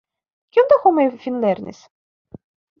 Kiom da homoj finlernis?